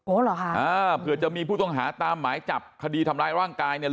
เหรอคะอ่าเผื่อจะมีผู้ต้องหาตามหมายจับคดีทำร้ายร่างกายเนี่ย